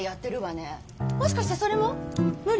もしかしてそれも無理？